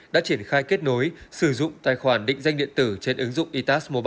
đã triển khai kết nối sử dụng tài khoản định danh điện thuế